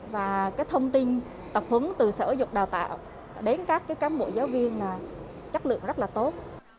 và cái thông tin tập huấn từ sở giục đào tạo đến các bộ giáo viên là chất lượng rất là tốt